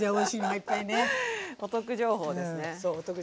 そうお得情報ですね。